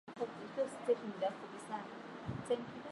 kwa mechi za kimataifa wakishiriki katika timu ya taifa